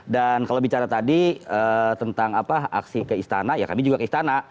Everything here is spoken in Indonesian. dan kalau bicara tadi tentang apa aksi ke istana ya kami juga ke istana